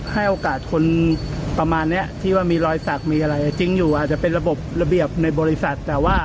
ให้โอกาสคนประมาณนี้ที่ว่ามีรอยสักมีอะไรจริงอยู่อาจจะเป็นระบบระเบียบในบริษัทแต่ว่า